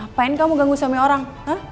ngapain kamu ganggu suami orang